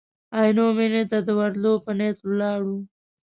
عینو مېنې ته د ورتلو په نیت ولاړو.